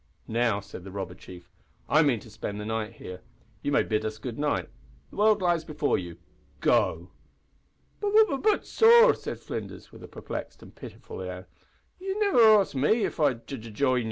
"Now," said the robber chief, "I mean to spend the night here. You may bid us good night. The world lies before you go!" "B b but, sor," said Flinders, with a perplexed and pitiful air. "Ye niver axed me if I'd j j jine ye."